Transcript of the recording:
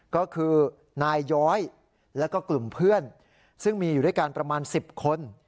ก็คือนายย้อยแล้วก็กลุ่มเพื่อนซึ่งมีอยู่ด้วยกันประมาณ๑๐คน